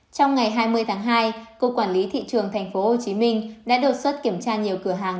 trong ngày hai mươi tháng hai cục quản lý thị trường tp hcm đã đột xuất kiểm tra nhiều cửa hàng